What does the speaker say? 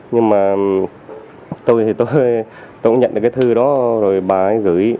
nhưng mà tôi thì tôi cũng nhận được cái thư đó rồi bà ấy gửi